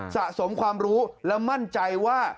สะสมความรู้และมั่นใจว่า